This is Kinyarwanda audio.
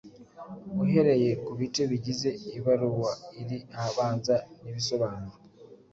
Uhereye ku bice bigize ibaruwa iri ahabanza n’ibisobanuro